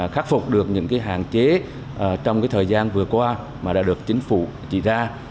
khắc phục được những hạn chế trong thời gian vừa qua mà đã được chính phủ chỉ ra